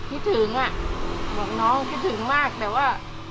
คิดถึงอ่ะบอกน้องคิดถึงมากแต่ว่า